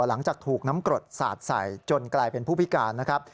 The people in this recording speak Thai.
หลังจากถูกน้ำกรดสาดใส่จนกลายเป็นผู้พิการนะครับ